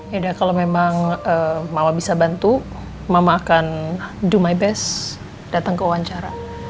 yaudah kalau memang mama bisa bantu mama akan do my best datang ke wawancara